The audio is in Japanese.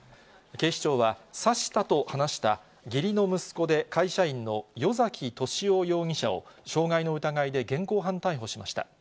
警視庁は、刺したと話した義理の息子で会社員の与崎利夫容疑者を、傷害の疑いで現行犯逮捕しました。